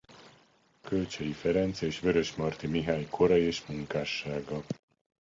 Kölcsey Ferenc és Vörösmarty Mihály kora és munkássága.